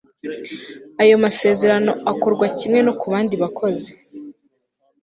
ayo masezerano akorwa kimwe no ku bandi bakozi